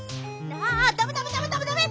あダメダメダメダメダメ！